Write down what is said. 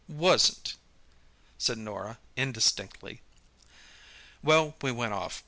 "Wasn't," said Norah indistinctly. "Well, we went off.